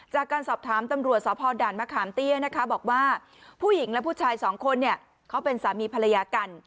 จากการสอบถามตำรวจสพด่านมะขามเตี้ยนะคะบอกว่าผู้หญิงและผู้ชายสองคนเนี่ยเขาเป็นสามีภรรยากัน